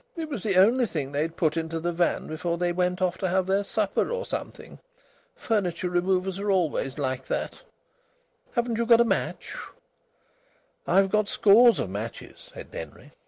It was the only thing they had put into the van before they went off to have their supper or something. Furniture removers are always like that. Haven't you got a match?" "I've got scores of matches," said Denry.